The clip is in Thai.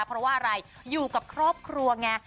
เพราะว่าอะไรอยู่กับครอบครัวไง